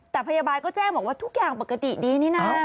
แต่พยาบาลก็แจ้งบอกว่าทุกอย่างปกติดีนี่นะ